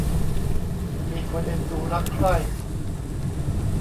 มีคนเอ็นดูรักใคร่